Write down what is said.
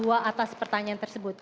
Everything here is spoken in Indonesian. atas pertanyaan tersebut